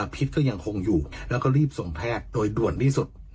พิษก็ยังคงอยู่แล้วก็รีบส่งแพทย์โดยด่วนที่สุด